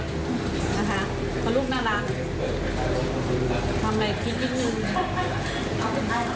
เพราะลูกน่ารักทำใหม่คิดยิ่งนึง